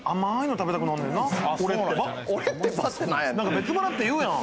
別腹って言うやん。